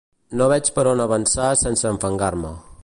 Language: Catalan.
No veig per on avançar sense enfangar-me.